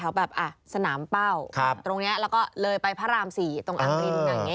แถวแบบสนามเป้าตรงนี้แล้วก็เลยไปพระราม๔ตรงอังกฤษ